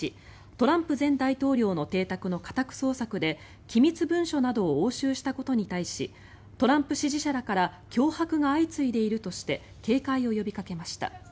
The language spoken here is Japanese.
トランプ前大統領の邸宅の家宅捜索で機密文書などを押収したことに対しトランプ支持者らから脅迫が相次いでいるとして警戒を呼びかけました。